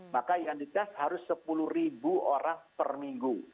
maka yang di test harus sepuluh ribu orang per minggu